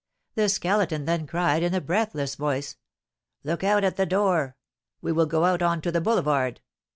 The Skeleton then cried, in a breathless voice, "Look out at the door! We will go out on to the boulevard."